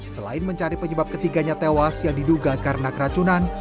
selain mencari penyebab ketiganya tewas yang diduga karena keracunan